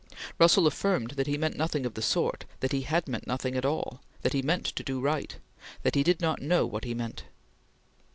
Russell affirmed that he meant nothing of the sort; that he had meant nothing at all; that he meant to do right; that he did not know what he meant.